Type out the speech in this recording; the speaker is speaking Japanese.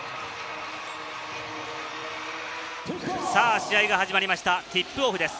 試合が始まりました、ティップオフです。